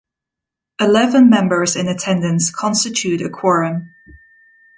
Eleven members in attendance constitute a quorum.